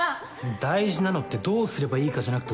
大事なのってどうすればいいかじゃなくて